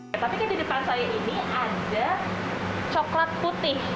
jadi ini ada coklat putih